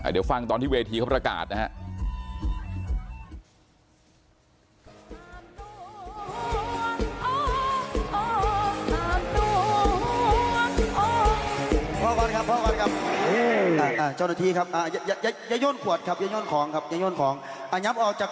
เดี๋ยวฟังตอนที่เวทีเขาประกาศนะครับ